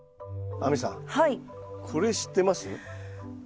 亜美さんこれ知ってます？